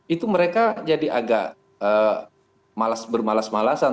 itu mereka jadi agak bermalas malasan